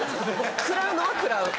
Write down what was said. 食らうのは食らう。